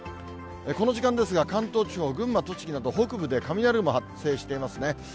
この時間ですが、関東地方、群馬、栃木など、北部で雷雲発生していますね。